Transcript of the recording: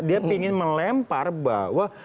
dia ingin melempar bahwa